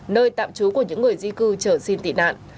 nơi tạm trú của những người di cư chờ xin tị nạn